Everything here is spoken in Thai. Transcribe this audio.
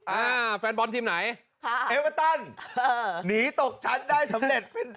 อ่าแฟนบอลทีมไหนค่ะเอเวอร์ตันหนีตกชั้นได้สำเร็จ